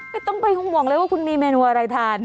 ไม่ต้องไปห่วงเลยว่าคุณมีเมนูอะไรทาน